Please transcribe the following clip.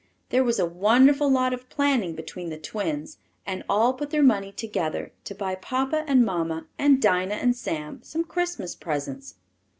There was a wonderful lot of planning between the twins, and all put their money together, to buy papa and mamma and Dinah and Sam some Christmas presents.